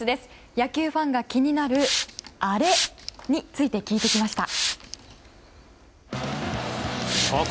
野球ファンが気になるあれについて聞いてきました。